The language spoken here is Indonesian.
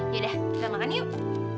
ya udah kita makan yuk